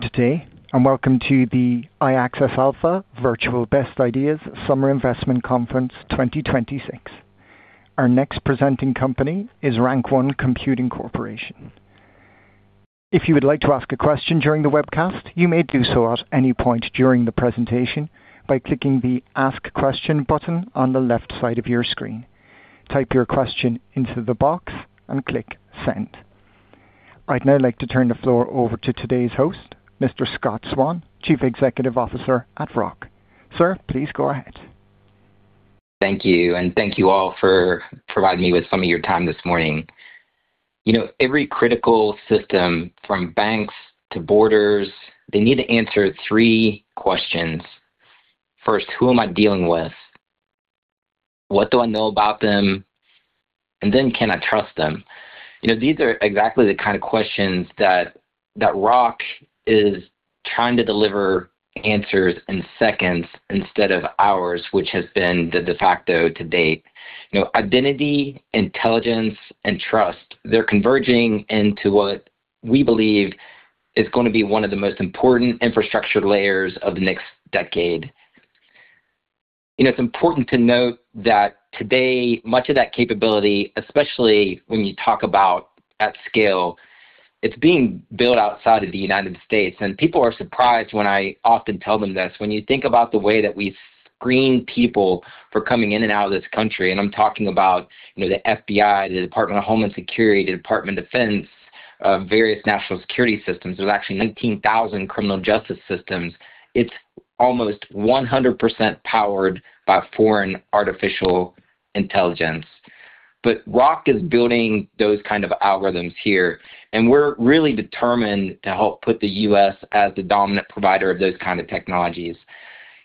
Good day, and welcome to the iAccess Alpha Virtual Best Ideas Summer Investment Conference 2026. Our next presenting company is Rank One Computing Corporation. If you would like to ask a question during the webcast, you may do so at any point during the presentation by clicking the Ask Question button on the left side of your screen. Type your question into the box and click Send. Right now, I'd like to turn the floor over to today's host, Mr. Scott Swann, Chief Executive Officer at ROC. Sir, please go ahead. Thank you. Thank you all for providing me with some of your time this morning. Every critical system, from banks to borders, they need to answer three questions. First, who am I dealing with? What do I know about them? Then can I trust them? These are exactly the kind of questions that ROC is trying to deliver answers in seconds instead of hours, which has been the de facto to date. Identity, intelligence, and trust, they're converging into what we believe is going to be one of the most important infrastructure layers of the next decade. It's important to note that today, much of that capability, especially when you talk about at scale, it's being built outside of the United States. People are surprised when I often tell them this. When you think about the way that we screen people for coming in and out of this country, I'm talking about the FBI, the Department of Homeland Security, the Department of Defense, various national security systems. There's actually 19,000 criminal justice systems. It's almost 100% powered by foreign artificial intelligence. ROC is building those kind of algorithms here, and we're really determined to help put the U.S. as the dominant provider of those kind of technologies.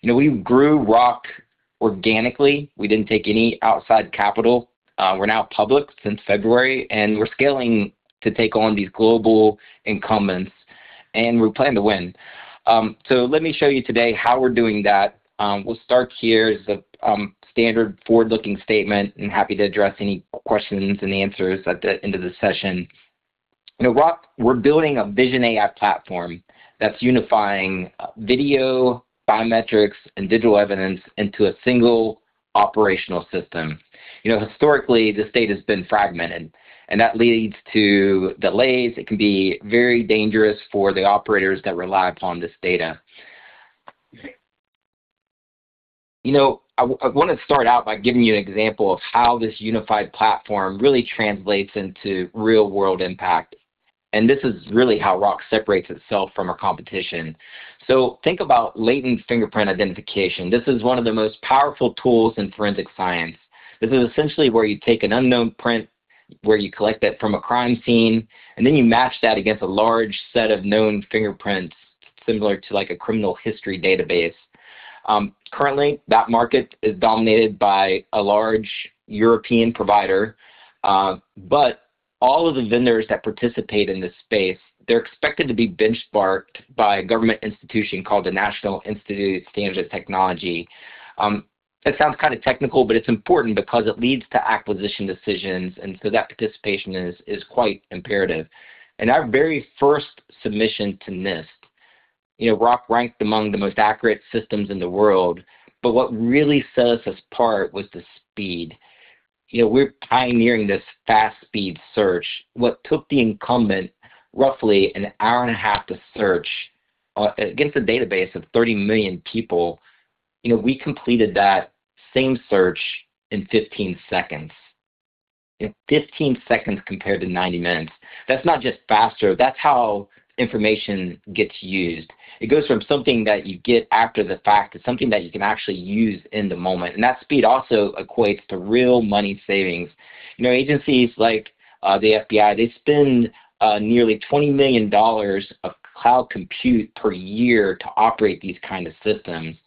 We grew ROC organically. We didn't take any outside capital. We're now public since February, and we're scaling to take on these global incumbents, and we plan to win. Let me show you today how we're doing that. We'll start here is the standard forward-looking statement, and happy to address any questions and answers at the end of the session. At ROC, we're building a vision AI platform that's unifying video, biometrics, and digital evidence into a single operational system. Historically, this data has been fragmented, and that leads to delays. It can be very dangerous for the operators that rely upon this data. I want to start out by giving you an example of how this unified platform really translates into real-world impact. This is really how ROC separates itself from our competition. Think about latent fingerprint identification. This is one of the most powerful tools in forensic science. This is essentially where you take an unknown print, where you collect that from a crime scene, and then you match that against a large set of known fingerprints, similar to a criminal history database. Currently, that market is dominated by a large European provider. All of the vendors that participate in this space, they're expected to be benchmarked by a government institution called the National Institute of Standards and Technology. That sounds kind of technical, but it's important because it leads to acquisition decisions. That participation is quite imperative. In our very first submission to NIST, ROC ranked among the most accurate systems in the world, but what really set us apart was the speed. We're pioneering this fast speed search. What took the incumbent roughly an hour and a half to search against a database of 30 million people, we completed that same search in 15 seconds. In 15 seconds compared to 90 minutes. That's not just faster, that's how information gets used. It goes from something that you get after the fact to something that you can actually use in the moment. That speed also equates to real money savings. Agencies like the FBI, they spend nearly $20 million of cloud compute per year to operate these kind of systems.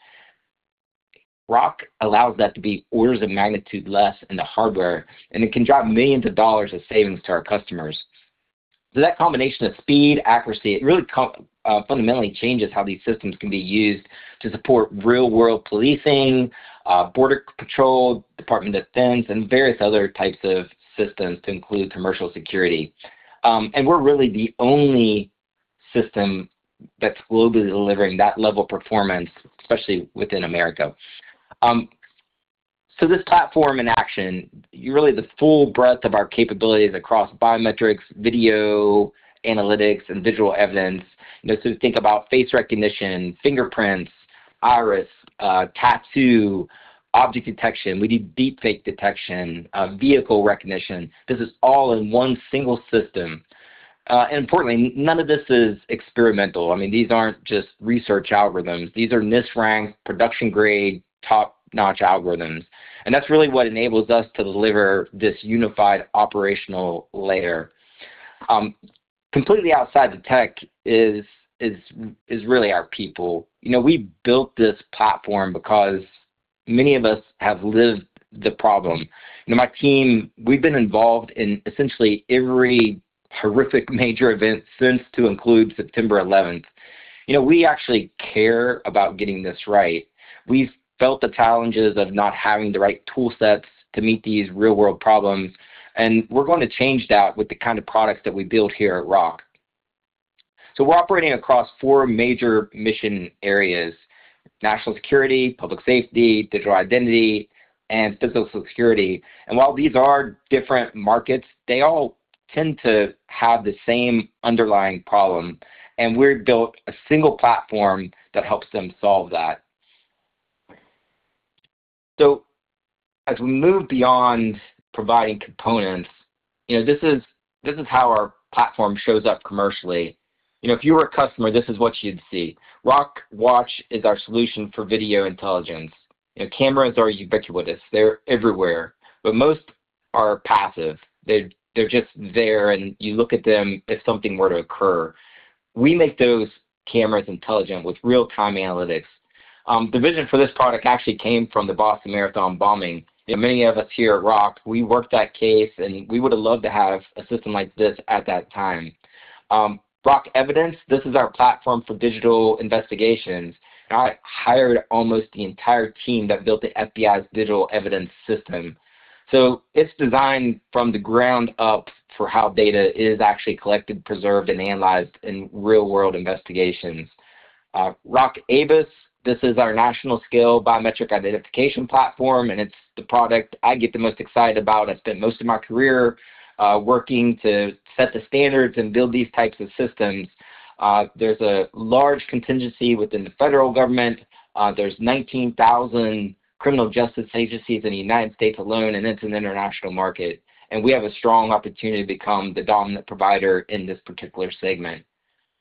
ROC allows that to be orders of magnitude less in the hardware, and it can drive millions of dollars of savings to our customers. That combination of speed, accuracy, it really fundamentally changes how these systems can be used to support real-world policing, border patrol, Department of Defense, and various other types of systems to include commercial security. We're really the only system that's globally delivering that level of performance, especially within America. This platform in action, really the full breadth of our capabilities across biometrics, video analytics, and digital evidence. Think about face recognition, fingerprints, iris, tattoo, object detection. We do deepfake detection, vehicle recognition. This is all in one single system. Importantly, none of this is experimental. These aren't just research algorithms. These are NIST ranked production-grade, top-notch algorithms. That's really what enables us to deliver this unified operational layer. Completely outside the tech is really our people. We built this platform because many of us have lived the problem. My team, we've been involved in essentially every horrific major event since to include September 11th. We actually care about getting this right. We've felt the challenges of not having the right tool sets to meet these real-world problems. We're going to change that with the kind of products that we build here at ROC. We're operating across four major mission areas: national security, public safety, digital identity, and physical security. While these are different markets, they all tend to have the same underlying problem. We've built a single platform that helps them solve that. As we move beyond providing components, this is how our platform shows up commercially. If you were a customer, this is what you'd see. ROC Watch is our solution for video intelligence. Cameras are ubiquitous. They're everywhere, but most are passive. They're just there, and you look at them if something were to occur. We make those cameras intelligent with real-time analytics. The vision for this product actually came from the Boston Marathon bombing. Many of us here at ROC, we worked that case. We would've loved to have a system like this at that time. ROC Evidence, this is our platform for digital investigations. I hired almost the entire team that built the FBI's digital evidence system. It's designed from the ground up for how data is actually collected, preserved, and analyzed in real-world investigations. ROC ABIS, this is our national-scale biometric identification platform, and it's the product I get the most excited about. I've spent most of my career working to set the standards and build these types of systems. There's a large contingency within the federal government. There's 19,000 criminal justice agencies in the United States alone, and it's an international market, and we have a strong opportunity to become the dominant provider in this particular segment.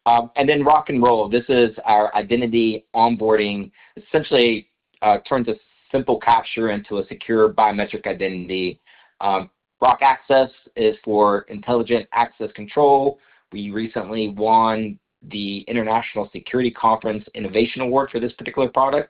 ROC Enroll, this is our identity onboarding. Essentially, it turns a simple capture into a secure biometric identity. ROC Access is for intelligent access control. We recently won the SIA New Products and Solutions Awards for this particular product.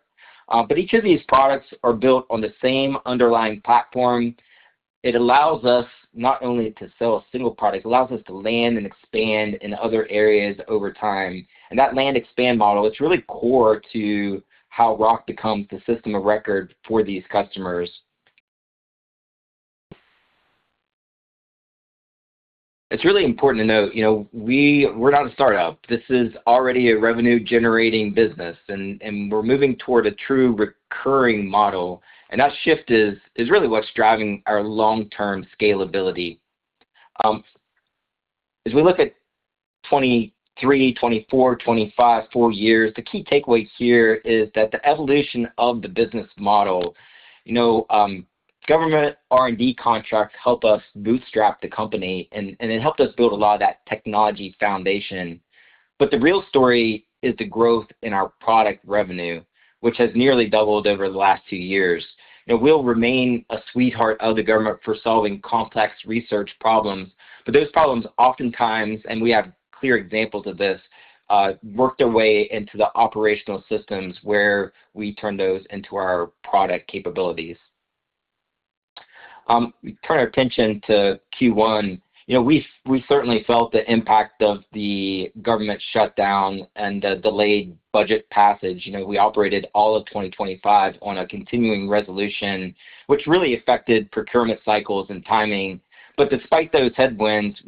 It allows us not only to sell a single product, it allows us to land and expand in other areas over time. That land/expand model is really core to how ROC becomes the system of record for these customers. It's really important to note, we're not a startup. We're moving toward a true recurring model, and that shift is really what's driving our long-term scalability. As we look at 2023, 2024, 2025, four years, the key takeaway here is that the evolution of the business model. Government R&D contracts help us bootstrap the company, and it helped us build a lot of that technology foundation. The real story is the growth in our product revenue, which has nearly doubled over the last two years. It will remain a sweetheart of the government for solving complex research problems, but those problems oftentimes, and we have clear examples of this, work their way into the operational systems where we turn those into our product capabilities. Turning our attention to Q1, we certainly felt the impact of the government shutdown and the delayed budget passage. We operated all of 2025 on a continuing resolution, which really affected procurement cycles and timing. Despite those headwinds,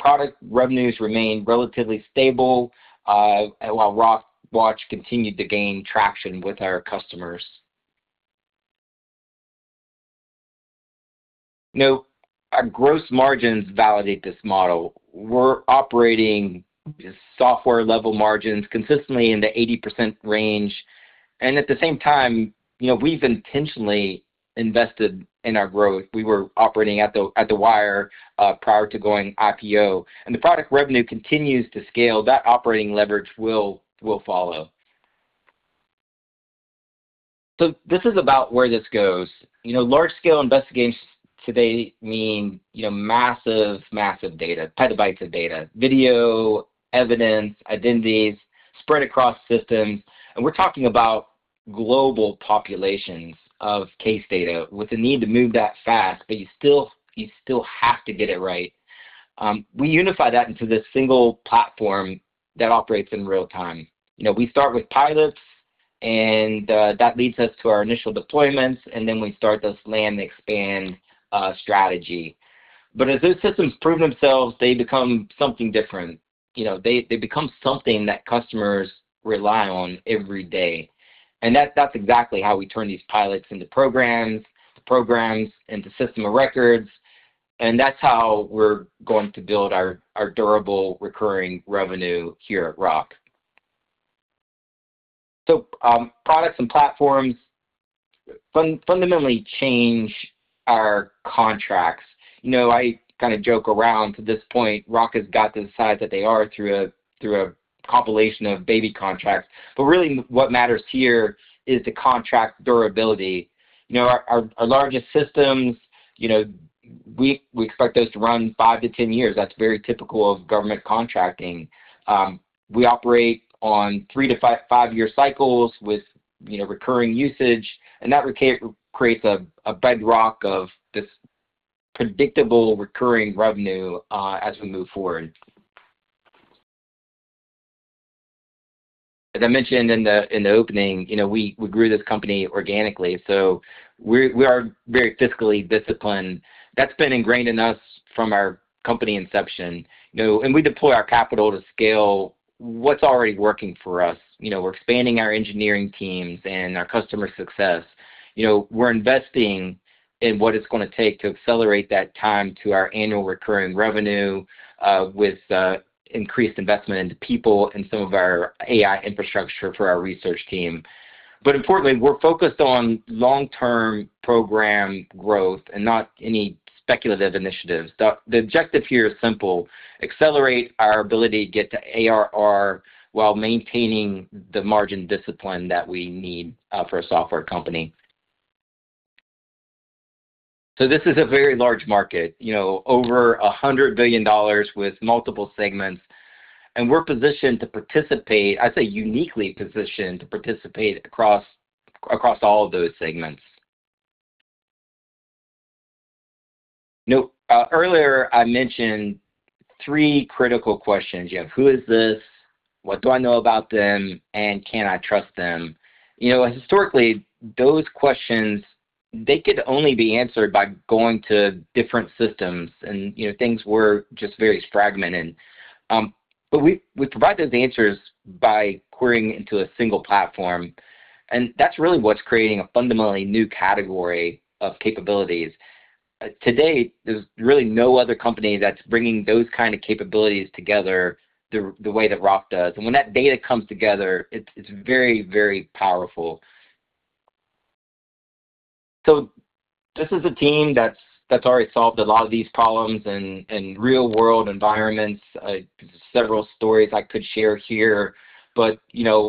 product revenues remained relatively stable, while ROC Watch continued to gain traction with our customers. Our gross margins validate this model. We're operating software-level margins consistently in the 80% range, and at the same time, we've intentionally invested in our growth. We were operating at the wire prior to going IPO, and the product revenue continues to scale. That operating leverage will follow. This is about where this goes. Large-scale investigations today mean massive data, petabytes of data, video, evidence, identities, spread across systems. We're talking about global populations of case data with the need to move that fast, but you still have to get it right. We unify that into this single platform that operates in real time. We start with pilots, and that leads us to our initial deployments, then we start this land and expand strategy. As those systems prove themselves, they become something different. They become something that customers rely on every day. That's exactly how we turn these pilots into programs, the programs into system of records, and that's how we're going to build our durable, recurring revenue here at ROC. Products and platforms fundamentally change our contracts. I kind of joke around to this point, ROC has got to the size that they are through a compilation of baby contracts. Really what matters here is the contract durability. Our largest systems, we expect those to run five to 10 years. That's very typical of government contracting. We operate on three to five year cycles with recurring usage. That creates a bedrock of this predictable recurring revenue as we move forward. As I mentioned in the opening, we grew this company organically. We are very fiscally disciplined. That's been ingrained in us from our company inception. We deploy our capital to scale what's already working for us. We're expanding our engineering teams and our customer success. We're investing in what it's going to take to accelerate that time to our annual recurring revenue with increased investment into people and some of our AI infrastructure for our research team. Importantly, we're focused on long-term program growth and not any speculative initiatives. The objective here is simple, accelerate our ability to get to ARR while maintaining the margin discipline that we need for a software company. This is a very large market, over $100 billion with multiple segments. We're positioned to participate, I'd say uniquely positioned to participate across all of those segments. Earlier I mentioned three critical questions. You have who is this? What do I know about them? Can I trust them? Historically, those questions, they could only be answered by going to different systems. Things were just very fragmented. We provide those answers by querying into a single platform. That's really what's creating a fundamentally new category of capabilities. To date, there's really no other company that's bringing those kind of capabilities together the way that ROC does. When that data comes together, it's very, very powerful. This is a team that's already solved a lot of these problems in real-world environments. Several stories I could share here, but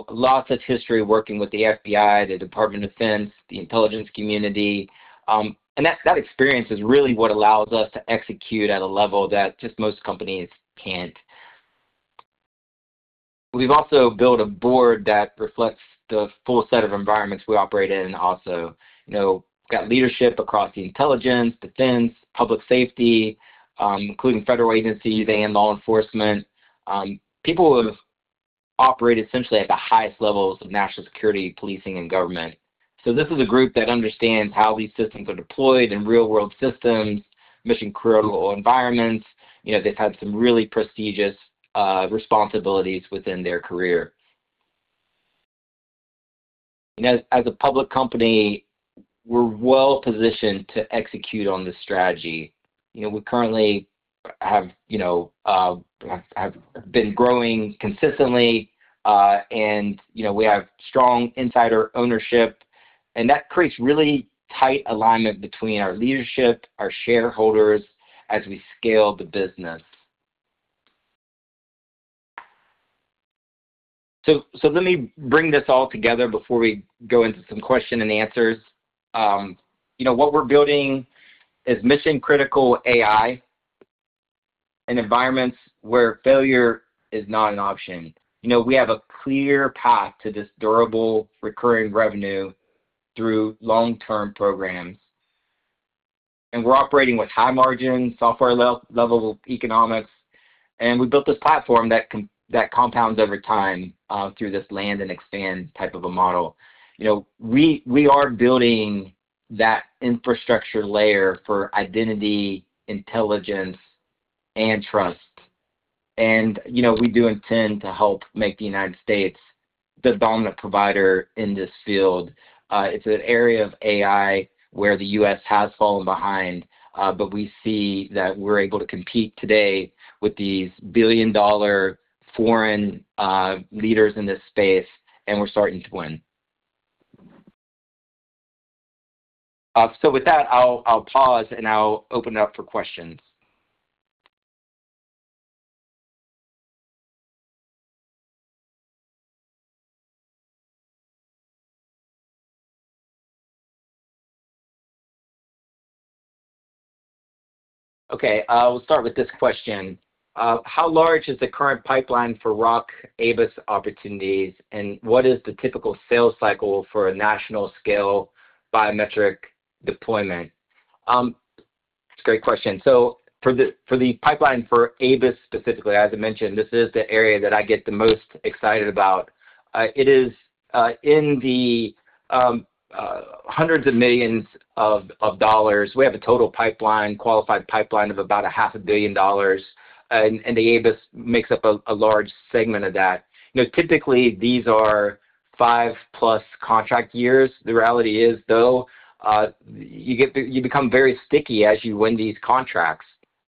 lots of history working with the FBI, the Department of Defense, the intelligence community. That experience is really what allows us to execute at a level that just most companies can't. We've also built a board that reflects the full set of environments we operate in also. Got leadership across the intelligence, defense, public safety, including federal agencies and law enforcement. People who have operated essentially at the highest levels of national security, policing, and government. This is a group that understands how these systems are deployed in real-world systems, mission-critical environments. They've had some really prestigious responsibilities within their career. As a public company, we're well-positioned to execute on this strategy. We currently have been growing consistently. We have strong insider ownership. That creates really tight alignment between our leadership, our shareholders, as we scale the business. Let me bring this all together before we go into some question and answers. What we're building is mission-critical AI in environments where failure is not an option. We have a clear path to this durable recurring revenue through long-term programs. We're operating with high margin software level economics. We built this platform that compounds over time through this land and expand type of a model. We are building that infrastructure layer for identity, intelligence, and trust. We do intend to help make the United States the dominant provider in this field. It's an area of AI where the U.S. has fallen behind. We see that we're able to compete today with these billion-dollar foreign leaders in this space. We're starting to win. With that, I'll pause and I'll open it up for questions. Okay, I'll start with this question. How large is the current pipeline for ROC ABIS opportunities, and what is the typical sales cycle for a national-scale biometric deployment? It's a great question. For the pipeline for ABIS specifically, as I mentioned, this is the area that I get the most excited about. It is in the $hundreds of millions. We have a total qualified pipeline of about a half a billion dollars, and the ABIS makes up a large segment of that. Typically, these are five-plus contract years. The reality is, though, you become very sticky as you win these contracts,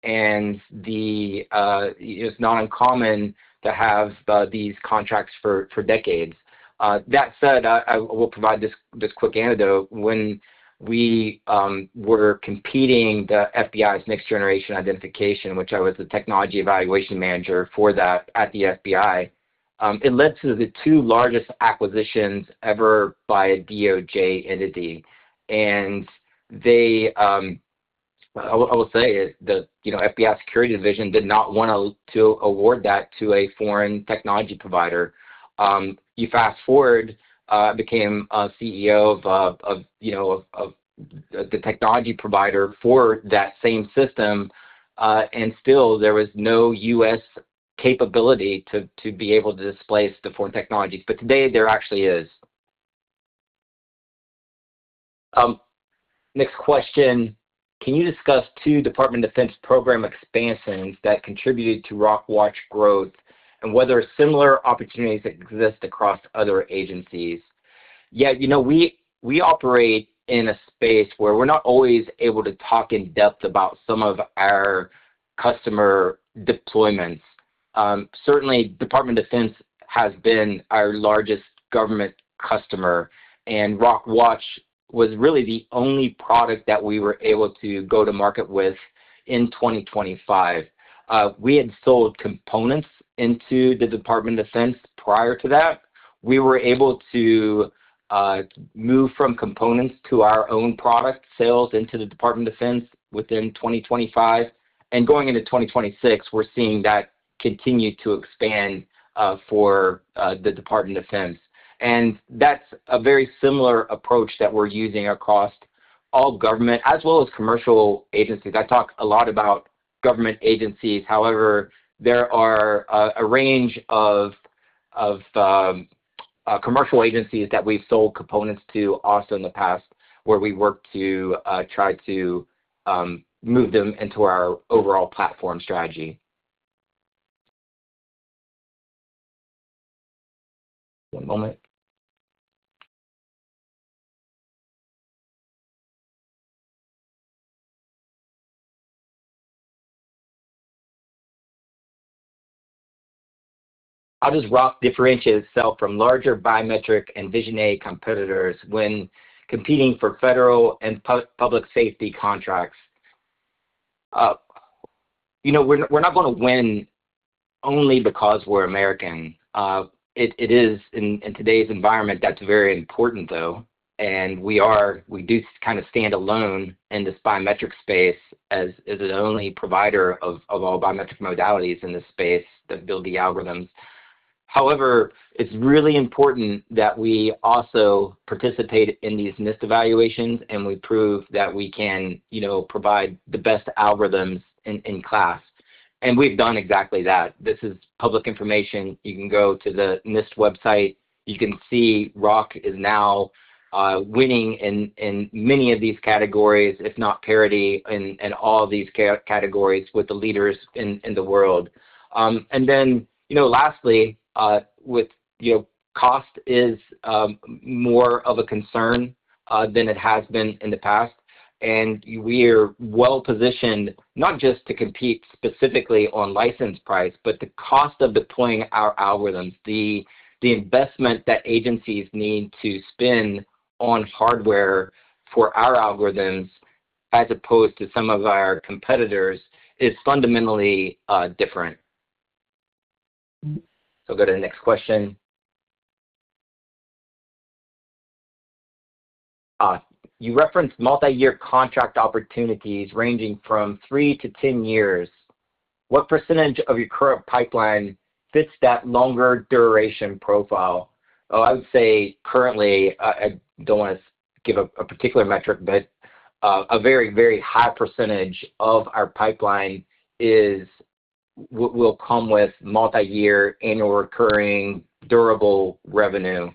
and it's not uncommon to have these contracts for decades. That said, I will provide this quick anecdote. When we were competing the FBI's Next Generation Identification, which I was the technology evaluation manager for that at the FBI, it led to the two largest acquisitions ever by a DOJ entity. I will say, the FBI's security division did not want to award that to a foreign technology provider. You fast-forward, I became CEO of the technology provider for that same system, and still, there was no U.S. capability to be able to displace the foreign technologies, but today there actually is. Next question: can you discuss two Department of Defense program expansions that contributed to ROC Watch growth and whether similar opportunities exist across other agencies? We operate in a space where we're not always able to talk in depth about some of our customer deployments. Certainly, Department of Defense has been our largest government customer, and ROC Watch was really the only product that we were able to go to market with in 2025. We had sold components into the Department of Defense prior to that. We were able to move from components to our own product sales into the Department of Defense within 2025. Going into 2026, we're seeing that continue to expand for the Department of Defense. That's a very similar approach that we're using across all government as well as commercial agencies. I talk a lot about government agencies. However, there are a range of commercial agencies that we've sold components to also in the past where we worked to try to move them into our overall platform strategy. One moment. How does ROC differentiate itself from larger biometric and vision AI competitors when competing for federal and public safety contracts? We're not going to win only because we're American. In today's environment, that's very important, though, and we do stand alone in this biometric space as the only provider of all biometric modalities in this space that build the algorithms. It's really important that we also participate in these NIST evaluations, and we prove that we can provide the best algorithms in class. We've done exactly that. This is public information. You can go to the NIST website. You can see ROC is now winning in many of these categories, if not parity in all these categories with the leaders in the world. Lastly, cost is more of a concern than it has been in the past, and we're well-positioned not just to compete specifically on license price, but the cost of deploying our algorithms, the investment that agencies need to spend on hardware for our algorithms as opposed to some of our competitors, is fundamentally different. Go to the next question. You referenced multi-year contract opportunities ranging from 3-10 years. What % of your current pipeline fits that longer duration profile? Oh, I would say currently, I don't want to give a particular metric, but a very high percentage of our pipeline will come with multi-year, annual recurring durable revenue.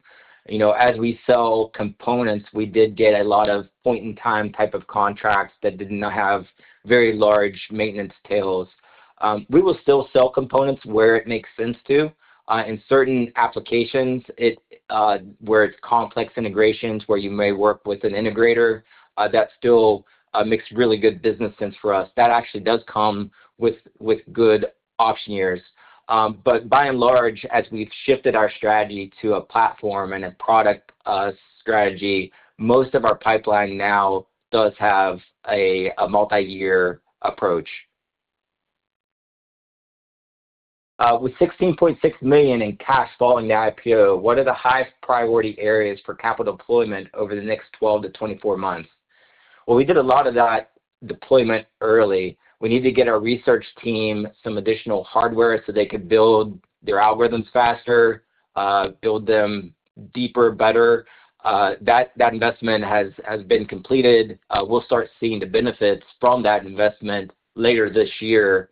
As we sell components, we did get a lot of point-in-time type of contracts that did not have very large maintenance tails. We will still sell components where it makes sense to. In certain applications where it's complex integrations where you may work with an integrator, that still makes really good business sense for us. That actually does come with good option years. By and large, as we've shifted our strategy to a platform and a product strategy, most of our pipeline now does have a multi-year approach. With $16.6 million in cash following the IPO, what are the highest priority areas for capital deployment over the next 12 to 24 months? Well, we did a lot of that deployment early. We need to get our research team some additional hardware so they could build their algorithms faster, build them deeper, better. That investment has been completed. We'll start seeing the benefits from that investment later this year.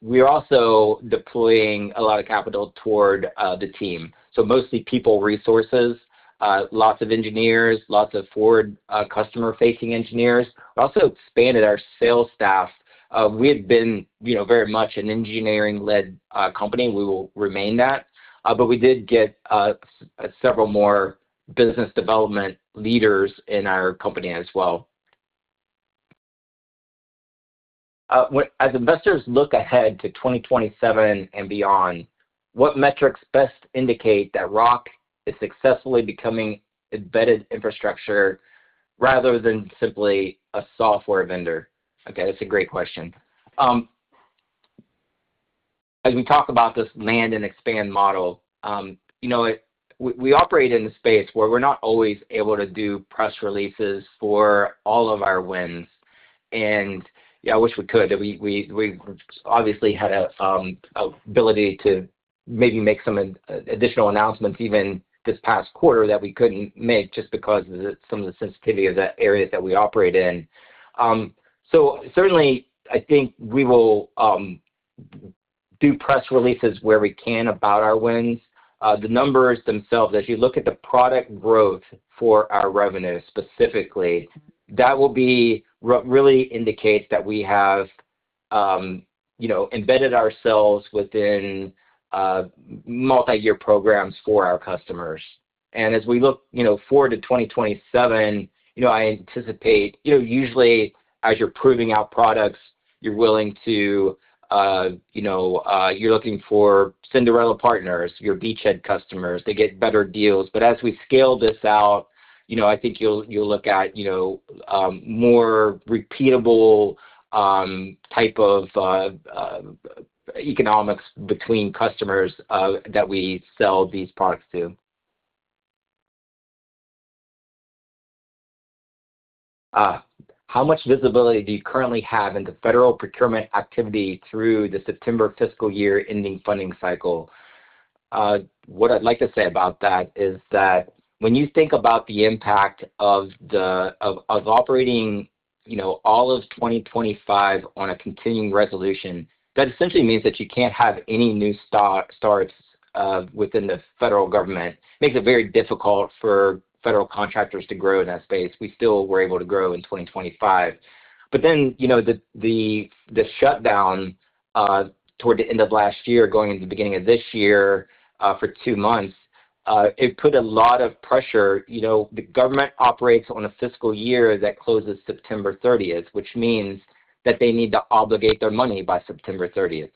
We are also deploying a lot of capital toward the team, so mostly people resources, lots of engineers, lots of forward customer-facing engineers. We also expanded our sales staff. We had been very much an engineering-led company. We will remain that, but we did get several more business development leaders in our company as well. As investors look ahead to 2027 and beyond, what metrics best indicate that ROC is successfully becoming embedded infrastructure rather than simply a software vendor? Okay, that's a great question. As we talk about this land and expand model, we operate in a space where we're not always able to do press releases for all of our wins, yeah, I wish we could. We obviously had a ability to maybe make some additional announcements even this past quarter that we couldn't make just because of some of the sensitivity of the areas that we operate in. Certainly, I think we will Do press releases where we can about our wins. The numbers themselves, if you look at the product growth for our revenue specifically, that will be what really indicates that we have embedded ourselves within multi-year programs for our customers. As we look forward to 2027, I anticipate, usually as you're proving out products, you're looking for Cinderella partners, your beachhead customers. They get better deals. As we scale this out, I think you'll look at more repeatable type of economics between customers that we sell these products to. "How much visibility do you currently have into federal procurement activity through the September fiscal year ending funding cycle?" What I'd like to say about that is that when you think about the impact of operating all of 2025 on a continuing resolution, that essentially means that you can't have any new starts within the federal government. Makes it very difficult for federal contractors to grow in that space. We still were able to grow in 2025. The shutdown toward the end of last year, going into the beginning of this year, for two months, it put a lot of pressure. The government operates on a fiscal year that closes September 30th, which means that they need to obligate their money by September 30th.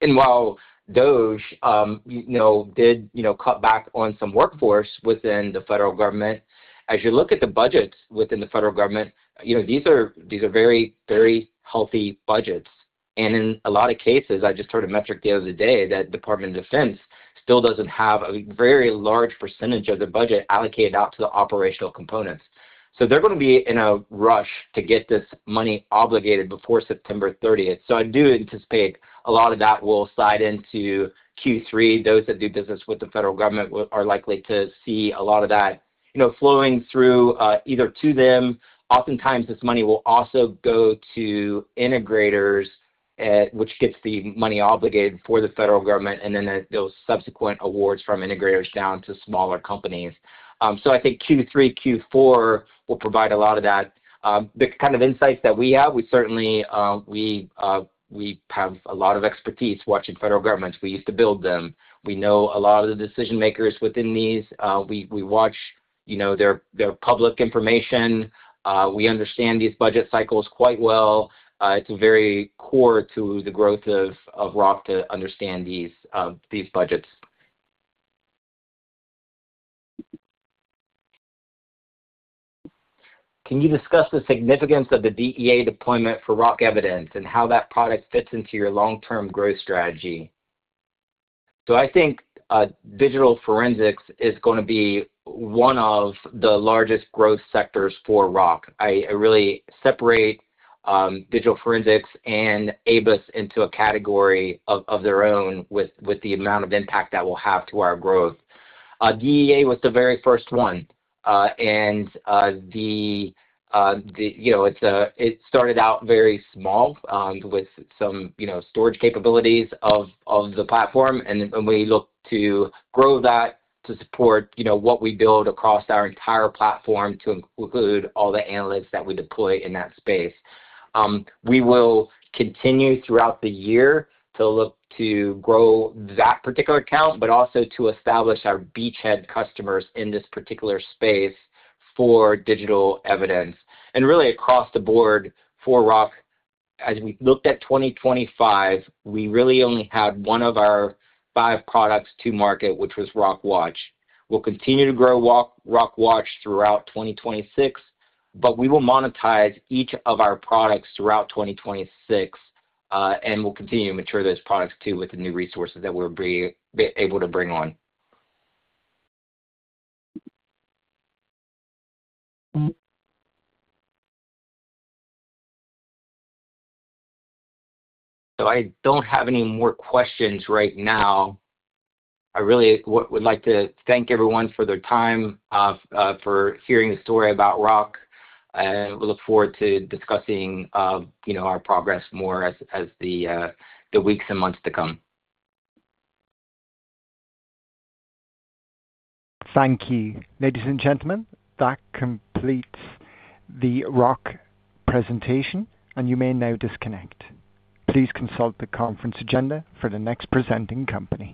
While those did cut back on some workforce within the federal government, as you look at the budgets within the federal government, these are very healthy budgets. In a lot of cases, I just heard a metric the other day that Department of Defense still doesn't have a very large percentage of the budget allocated out to the operational components. They're going to be in a rush to get this money obligated before September 30th. I do anticipate a lot of that will slide into Q3. Those that do business with the federal government are likely to see a lot of that flowing through, either to them. Oftentimes this money will also go to integrators, which gets the money obligated for the federal government and then those subsequent awards from integrators down to smaller companies. I think Q3, Q4 will provide a lot of that. The kind of insights that we have, we have a lot of expertise watching federal governments. We used to build them. We know a lot of the decision-makers within these. We watch their public information. We understand these budget cycles quite well. It's very core to the growth of ROC to understand these budgets. "Can you discuss the significance of the DEA deployment for ROC Evidence and how that product fits into your long-term growth strategy?" I think digital forensics is going to be one of the largest growth sectors for ROC. I really separate digital forensics and ABIS into a category of their own with the amount of impact that will have to our growth. DEA was the very first one, it started out very small, with some storage capabilities of the platform, and we look to grow that to support what we build across our entire platform to include all the analysts that we deploy in that space. We will continue throughout the year to look to grow that particular account, but also to establish our beachhead customers in this particular space for digital evidence. Really across the board for ROC, as we looked at 2025, we really only had one of our five products to market, which was ROC Watch. We'll continue to grow ROC Watch throughout 2026, but we will monetize each of our products throughout 2026, and we'll continue to mature those products too with the new resources that we'll be able to bring on. I don't have any more questions right now. I really would like to thank everyone for their time, for hearing the story about ROC. We look forward to discussing our progress more as the weeks and months to come. Thank you. Ladies and gentlemen, that completes the ROC presentation. You may now disconnect. Please consult the conference agenda for the next presenting company.